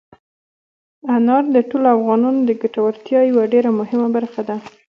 انار د ټولو افغانانو د ګټورتیا یوه ډېره مهمه برخه ده.